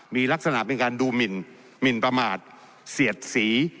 มีลักษณะเป็นการดูหมินหมินประมาทเสียดสี